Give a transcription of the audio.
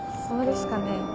そうですかね。